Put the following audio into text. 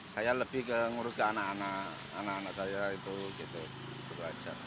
saya lebih ngurus ke anak anak saya itu saja